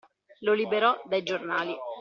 Lo liberò dai giornali.